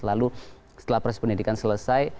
lalu setelah proses pendidikan selesai